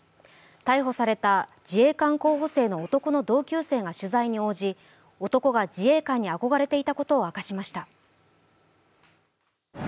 逮捕された自衛官候補生の男の同級生が取材に応じ男が自衛官に憧れていたことを明かしました。